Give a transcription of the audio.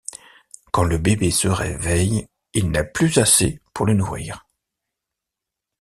Quand le bébé se réveille, il n'a plus assez pour le nourrir.